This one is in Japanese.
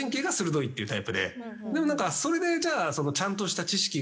でもそれでじゃあちゃんとした。